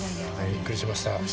びっくりしました。